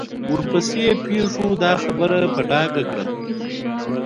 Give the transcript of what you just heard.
ورپسې پېښو دا خبره په ډاګه کړه.